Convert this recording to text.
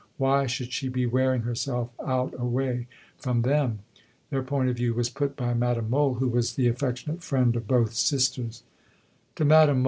Why should she be wearing herself out away from them? Their point of view was put by Madame Mohl, who was the affectionate friend of both sisters: (_To Madame Mohl.